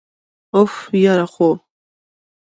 أف، یره خو!!